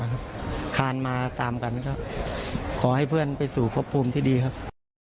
คานมาตามกันก็ขอให้เพื่อนไปสู่พบภูมิที่ดีครับ